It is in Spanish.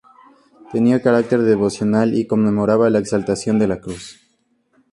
Tenía carácter devocional y conmemoraba la Exaltación de la Cruz.